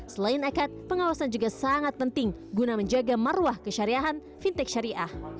selain akad pengawasan juga sangat penting guna menjaga marwah kesyariahan fintech syariah